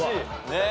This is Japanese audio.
ねえ。